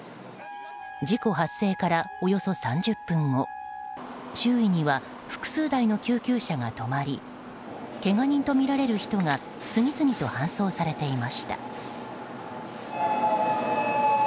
事故発生から、およそ３０分後周囲には複数台の救急車が止まりけが人とみられる人が次々と搬送されていました。